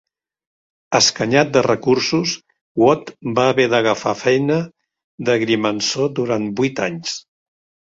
Escanyat de recursos, Watt va haver d'agafar feina d'agrimensor durant vuit anys.